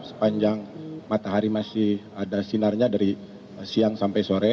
sepanjang matahari masih ada sinarnya dari siang sampai sore